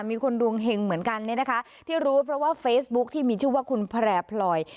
มีคนดวงเห็งเหมือนกันเนี่ยนะคะที่รู้เพราะว่าเฟซบุ๊คที่มีชื่อว่าคุณแพร่พลอย